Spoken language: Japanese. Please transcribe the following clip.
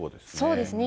そうですね。